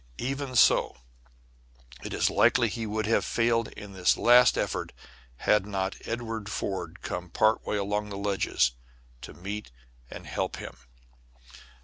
Even so it is likely he would have failed in this last effort had not Edward Ford come part way along the ledges to meet and help him.